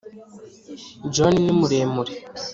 john ni muremure.